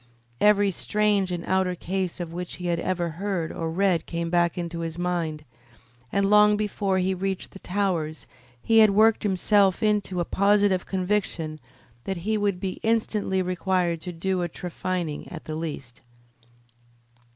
Every strange and outre case of which he had ever heard or read came back into his mind, and long before he reached the Towers he had worked himself into a positive conviction that he would be instantly required to do a trephining at the least.